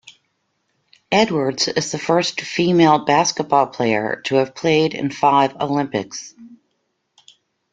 Edwards is the first female basketball player to have played in five Olympics.